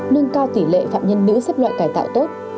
nâng cao tỷ lệ phạm nhân nữ xếp loại cải tạo tốt